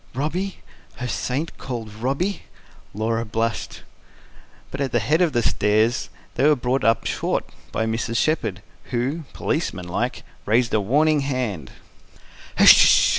Robby? Her saint called Robby? Laura blushed. But at the head of the stairs they were brought up short by Mrs. Shepherd, who, policeman like, raised a warning hand.